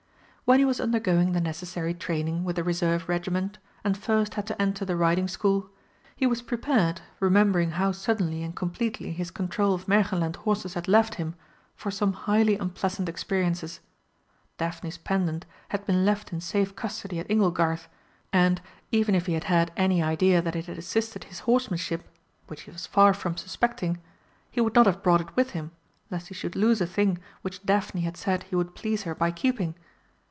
When he was undergoing the necessary training with the reserve regiment and first had to enter the Riding School, he was prepared, remembering how suddenly and completely his control of Märchenland horses had left him, for some highly unpleasant experiences. Daphne's pendant had been left in safe custody at Inglegarth, and, even if he had had any idea that it had assisted his horsemanship (which he was far from suspecting), he would not have brought it with him, lest he should lose a thing which Daphne had said he would please her by keeping.